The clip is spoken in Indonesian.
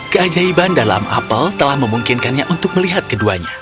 keajaiban dalam apel telah memungkinkannya untuk melihat keduanya